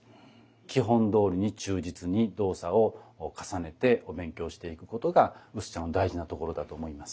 基本どおりに忠実に動作を重ねてお勉強していくことが薄茶の大事なところだと思います。